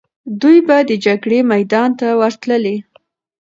دوی به د جګړې میدان ته ورتللې.